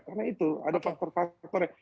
karena itu ada faktor faktornya